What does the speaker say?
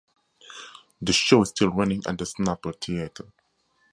The show is still running at the Snapple Theater.